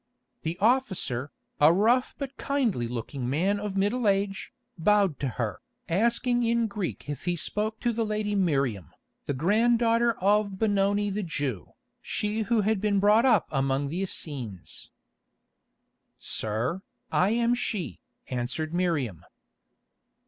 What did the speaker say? The officer, a rough but kindly looking man of middle age, bowed to her, asking in Greek if he spoke to the lady Miriam, the granddaughter of Benoni the Jew, she who had been brought up among the Essenes. "Sir, I am she," answered Miriam.